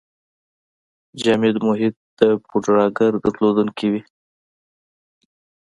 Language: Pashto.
جامد محیط د پوډراګر درلودونکی وي.